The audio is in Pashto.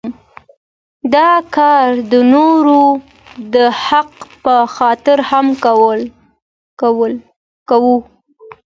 دا کار د نورو د حق په خاطر هم کوو.